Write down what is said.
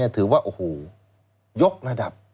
ถือว่าโอ้โหยกระดับ